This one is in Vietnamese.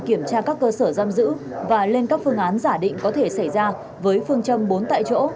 kiểm tra các cơ sở giam giữ và lên các phương án giả định có thể xảy ra với phương châm bốn tại chỗ